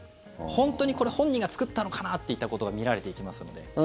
本当にこれ、本人が作ったのかなといったことが見られていきますので。